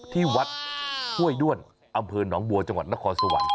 ที่วัดห้วยด้วนอำเภอหนองบัวจังหวัดนครสวรรค์